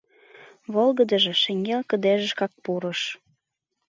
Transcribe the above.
Волгыдыжо шеҥгел кыдежышкат пурыш.